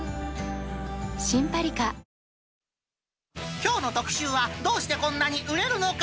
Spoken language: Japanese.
きょうの特集は、どうしてこんなに売れるのか！